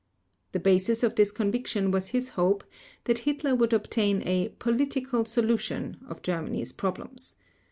The basis of this conviction was his hope that Hitler would obtain a "political solution" of Germany's problems.